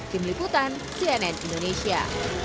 tim liputan cnn indonesia